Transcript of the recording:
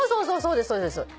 そうそうそうです。